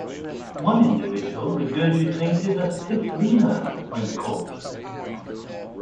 One individual regurgitated a "Typhlina" when caught.